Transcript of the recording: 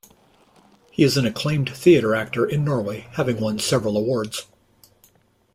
He is an acclaimed theatre actor in Norway, having won several awards.